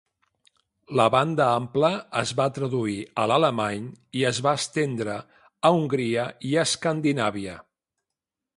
La banda ampla es va traduir a l'alemany i es va estendre a Hongria i Escandinàvia.